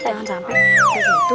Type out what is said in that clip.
jangan sampe begitu